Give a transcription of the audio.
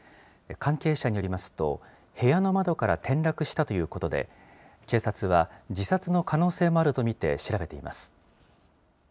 関係者によりますと、部屋の窓から転落したということで、警察は自殺の可能性もあると見て、調べています。